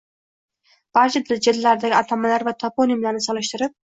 barcha jildlardagi atamalar va toponimlarni solishtirib